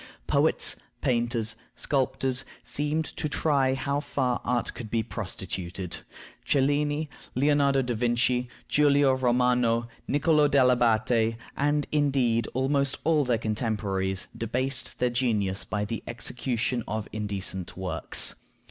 Poets, painters, sculptors, seemed to try how far art could be prostituted. Cellini, Leonardo da Vinci, Giulio Romano, Nicollo dell' Abate, and, indeed, almost all their contemporaries, debased their genius by the execution of indecent works.